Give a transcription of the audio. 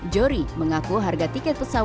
jori mengaku harga tiket pesawat celang